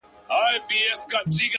• چي ړندې کي غبرګي سترګي د اغیارو ,